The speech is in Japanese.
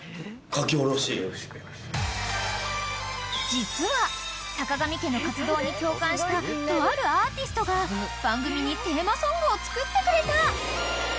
［実はさかがみ家の活動に共感したとあるアーティストが番組にテーマソングを作ってくれた］